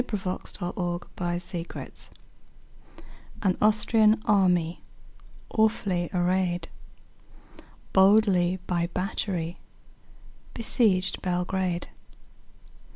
Y Z The Siege of Belgrade AN Austrian army, awfully arrayed, Boldly by battery besieged Belgrade.